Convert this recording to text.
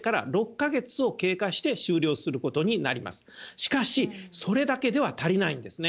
しかしそれだけでは足りないですね。